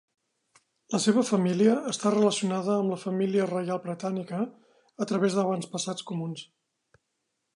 La seva família està relacionada amb la família reial britànica a través d'avantpassats comuns.